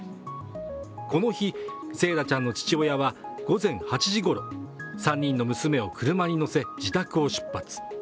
この日、惺愛ちゃんの父親は午前８時ごろ３人の娘を車に乗せ出発。